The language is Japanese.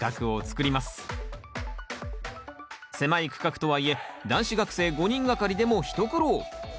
狭い区画とはいえ男子学生５人がかりでも一苦労。